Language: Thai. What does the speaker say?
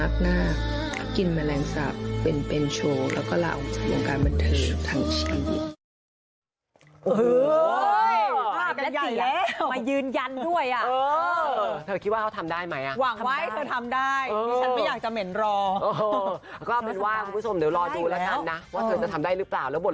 ขอบคุณครับ